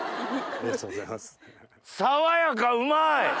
ありがとうございます。